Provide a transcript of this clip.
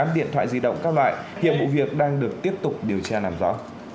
một mươi tám điện thoại di động các loại hiệp vụ việc đang được tiếp tục điều tra làm rõ